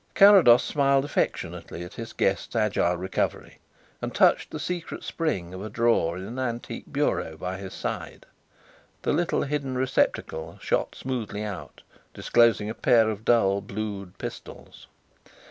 Carrados smiled affectionately at his guest's agile recovery and touched the secret spring of a drawer in an antique bureau by his side. The little hidden receptacle shot smoothly out, disclosing a pair of dull blued pistols.